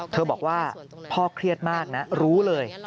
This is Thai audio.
บอกว่าพ่อเครียดมากนะรู้เลย